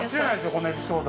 このエピソード。